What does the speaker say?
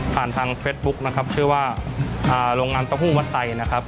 ทางเฟสบุ๊คนะครับชื่อว่าโรงงานเต้าหู้วัดไซนะครับ